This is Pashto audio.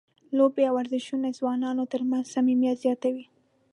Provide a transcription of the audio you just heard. لوبې او ورزشونه د ځوانانو ترمنځ صمیمیت زیاتوي.